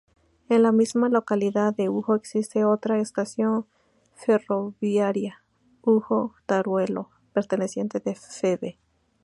En la misma localidad de Ujo existe otra estación ferroviaria, "Ujo-Taruelo", perteneciente a Feve.